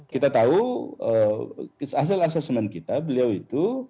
kita tahu asal asesmen kita beliau itu